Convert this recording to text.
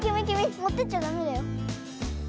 もってっちゃダメだよ。